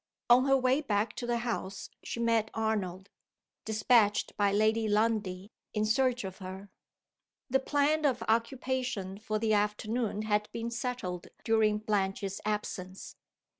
On her way back to the house she met Arnold, dispatched by Lady Lundie in search of her. The plan of occupation for the afternoon had been settled during Blanche's absence.